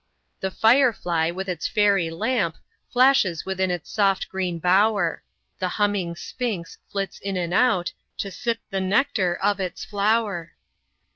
The fire fly, with its fairy lamp, Flashes within its soft green bower; The humming sphinx flits in and out, To sip the nectar of its flower.